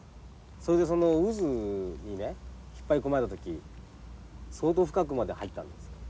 それでその渦にね引っ張り込まれた時相当深くまで入ったんですか？